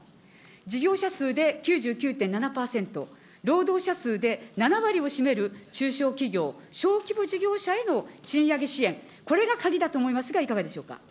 事業者数で９９．７％、労働者数で７割を占める中小企業・小規模事業者への賃上げ支援、これが鍵だと思いますが、いかがでしょうか。